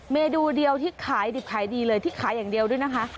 เมนูเดียวที่ขายดิบขายดีเลยที่ขายอย่างเดียวด้วยนะคะ